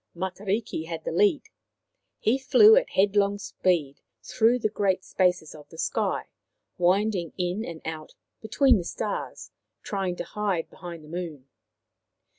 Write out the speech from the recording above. Matariki had the lead. He flew at headlong speed through the great spaces of the sky, winding in and out between the stars, trying to hide be hind the moon.